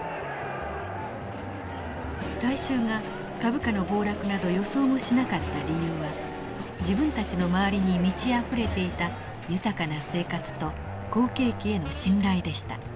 大衆が株価の暴落など予想もしなかった理由は自分たちの周りに満ちあふれていた豊かな生活と好景気への信頼でした。